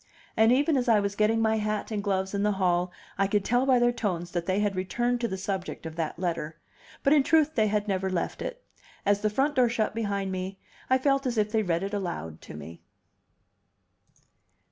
And even as I was getting my hat and gloves in the hall I could tell by their tones that they had returned to the subject of that letter. But in truth they had never left it; as the front door shut behind me I felt as if they had read it aloud to me.